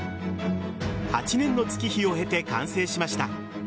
８年の月日を経て完成しました。